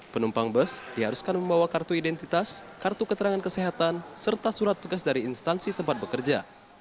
penumpang bus diharuskan membawa kartu identitas kartu keterangan kesehatan serta surat tugas dari instansi tempat bekerja